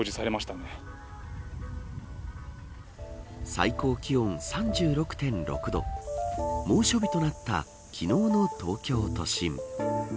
最高気温３６．６度猛暑日となった昨日の東京都心。